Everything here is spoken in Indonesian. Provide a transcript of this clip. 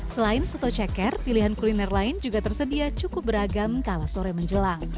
selain soto ceker pilihan kuliner lain juga tersedia cukup beragam kala sore menjelang